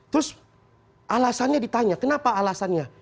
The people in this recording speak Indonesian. terus alasannya ditanya kenapa alasannya